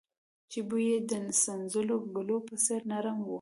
چې بوى يې د سنځلو د ګلو په څېر نرم و.